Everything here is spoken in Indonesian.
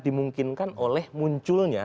dimungkinkan oleh munculnya